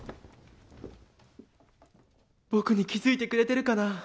僕に気づいてくれてるかな？